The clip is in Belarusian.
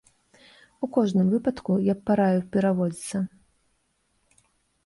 У кожным выпадку я б параіў пераводзіцца.